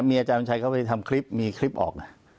มีอาจารย์ชัยเข้าไปทำคลิปมีคลิปออก